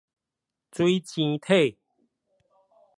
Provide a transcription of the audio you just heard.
水晶體